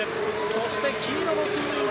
そして黄色のスイミング